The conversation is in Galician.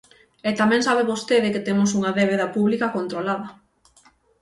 E tamén sabe vostede que temos unha débeda pública controlada.